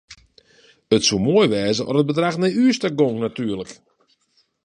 It soe moai wêze at it bedrach nei ús ta gong natuerlik.